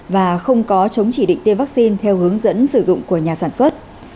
và không có chống chỉ định tiêm vắc xin theo hướng dẫn sử dụng của nhà sản xuất